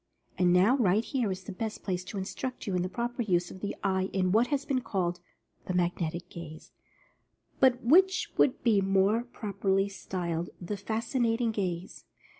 And now, right here is the best place to instruct you in the proper use of the eye in what has been called "The Magnetic Gaze," but which would be more prop erly styled the "Fascinating Gaze."